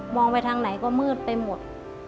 ไปทางไหนก็มืดไปหมด